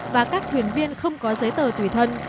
và các thuyền viên không có giấy tờ tùy thân